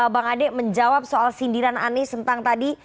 bang ade menjawab soal sindiran anies tentang tadi